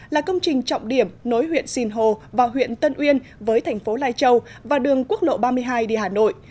là công trình trọng điểm nối huyện sinh hồ và huyện tân uyên với thành phố lai châu và đường quốc lộ ba mươi hai đi hà nội